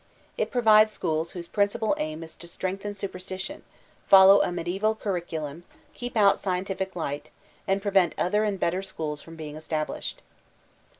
'" It provides schook whose principal aim is to strengthen superstition, follow a mediaeval curriculum, keep out scientific light, — and prevent other and better schools from being established.